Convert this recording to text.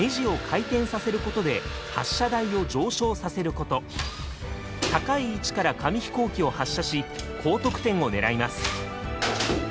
こだわったのは高い位置から紙飛行機を発射し高得点を狙います。